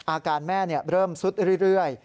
อาการแม่เริ่มสุดเรื่อย